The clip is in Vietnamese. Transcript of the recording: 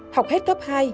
học hết tấp hai